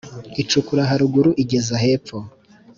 Icukura haruguru igeza hepfo,